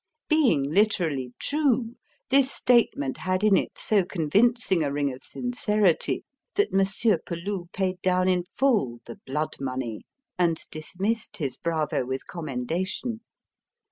Being literally true, this statement had in it so convincing a ring of sincerity that Monsieur Peloux paid down in full the blood money and dismissed his bravo with commendation.